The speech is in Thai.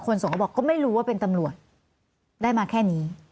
ส่งก็บอกก็ไม่รู้ว่าเป็นตำรวจได้มาแค่นี้